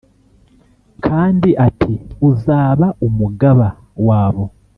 kandi ati ‘Uzaba umugaba wabo.